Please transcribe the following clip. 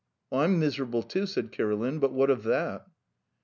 "I'm miserable too," said Kirilin, "but what of that?"